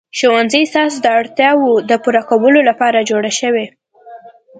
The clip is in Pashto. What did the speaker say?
ښوونځی ستاسې د اړتیاوو د پوره کولو لپاره جوړ شوی.